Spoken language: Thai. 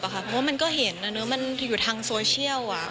เพราะว่ามันก็เห็นมันอยู่ทางโซเชียล